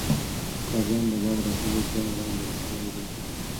خزان د باغ د ټولو پاڼو رنګ بدل کړی دی.